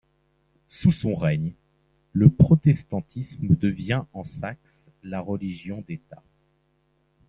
Sous son règne, le Protestantisme devint en Saxe religion d’État.